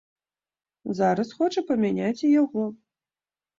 Зараз хоча памяняць і яго.